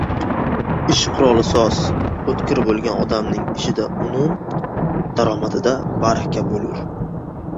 — Ish quroli soz, o‘tkir bo‘lgan odamning ishida unum, daromadida baraka bo‘lur.